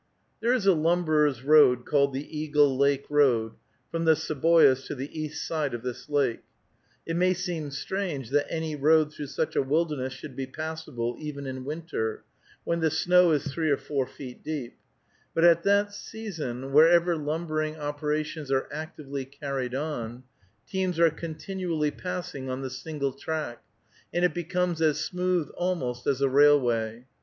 There is a lumberer's road called the Eagle Lake road, from the Seboois to the east side of this lake. It may seem strange that any road through such a wilderness should be passable, even in winter, when the snow is three or four feet deep, but at that season, wherever lumbering operations are actively carried on, teams are continually passing on the single track, and it becomes as smooth almost as a railway.